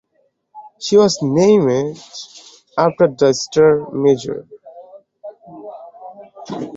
She was named after the star Mizar.